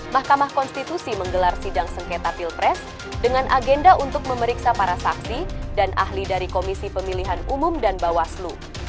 mahkamah konstitusi menggelar sidang sengketa pilpres dengan agenda untuk memeriksa para saksi dan ahli dari komisi pemilihan umum dan bawaslu